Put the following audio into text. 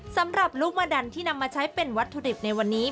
สำหรับลูกมะดันที่นำมาใช้เป็นวัตถุดิบในวันนี้